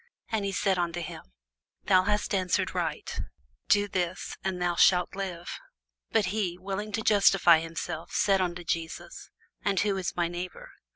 And he said unto him, Thou hast answered right: this do, and thou shalt live. But he, willing to justify himself, said unto Jesus, And who is my neighbour?